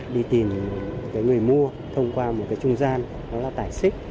đi tìm cái người mua thông qua một cái trung gian đó là tái xích